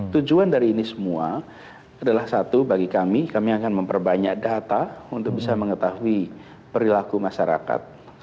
tujuan dari ini semua adalah satu bagi kami kami akan memperbanyak data untuk bisa mengetahui perilaku masyarakat